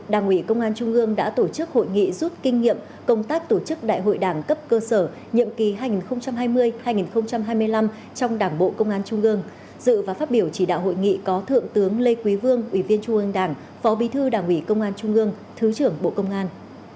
đảng ủy công an trung ương đã tổ chức hội nghị rút kinh nghiệm công tác tổ chức đại hội đảng cấp cơ sở nhiệm ký hai nghìn hai mươi hai nghìn hai mươi năm trong đảng bộ công an trung ương dự và phát biểu chỉ đạo hội nghị có thượng tướng lê quý vương ủy viên trung ương đảng phó bí thư đảng ủy công an trung ương thứ trưởng bộ công an